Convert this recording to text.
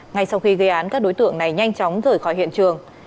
ngay sau khi gây án các đối tượng này nhanh chóng rời khỏi hiện trường